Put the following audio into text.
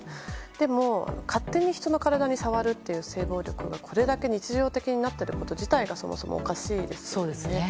でも、勝手に人の体に触るっていう性暴力がこれだけ日常的になっていること自体がそもそもおかしいですし。